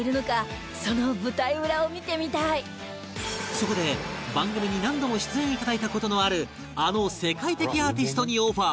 そこで番組に何度も出演いただいた事のあるあの世界的アーティストにオファー